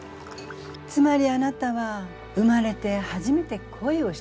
つまりあなたは生まれて初めて恋をしたっていうこと？